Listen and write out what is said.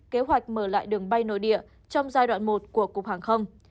kế hoạch mở lại đường bay nội địa trong giai đoạn một của cục hàng không